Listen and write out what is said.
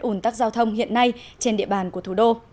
ủn tắc giao thông hiện nay trên địa bàn của thủ đô